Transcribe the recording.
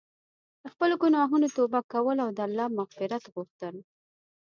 د خپلو ګناهونو توبه کول او د الله مغفرت غوښتل.